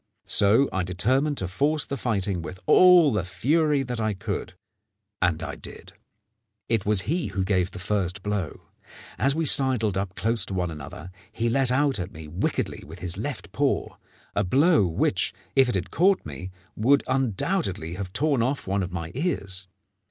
So I determined to force the fighting with all the fury that I could; and I did. It was he who gave the first blow. As we sidled up close to one another, he let out at me wickedly with his left paw, a blow which, if it had caught me, would undoubtedly have torn off one of my ears.